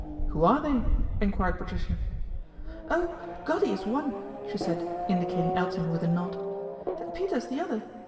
' Who are they ?" enquired Patricia. " Oh ! Goddy's one," she said, indicating Elton with a nod, " and Peter's the other.